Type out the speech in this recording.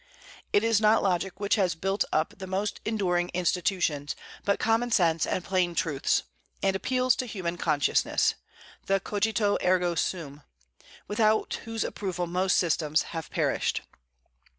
It is not logic which has built up the most enduring institutions, but common sense and plain truths, and appeals to human consciousness, the cogito, ergo sum, without whose approval most systems have perished.